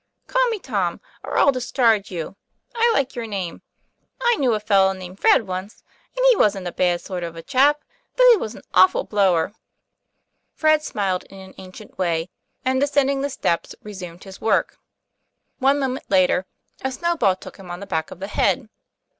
" Call me Tom, or I'll discharge you. I like your name. I knew a fellow named Fred once, and he wasn't a bad sort of a chap, though he was an awful blower." 174 TOM PLAYFAIR. Fred smiled in an ancient way and, descending the steps, resumed his work. One moment later, a snowball took him on the back of the head.